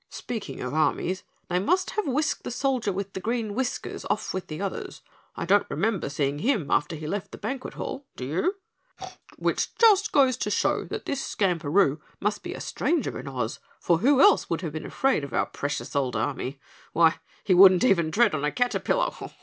"Speaking of armies, they must have whisked the soldier with the green whiskers off with the others. I don't remember seeing him after he left the banquet hall, do you? Which just goes to show this Skamperoo must be a stranger in Oz, for who else would have been afraid of our precious old army? Why, he wouldn't even tread on a caterpillar.